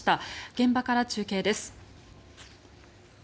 現場から中継です。